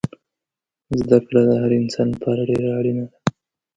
زده کړه دهر انسان لپاره دیره اړینه ده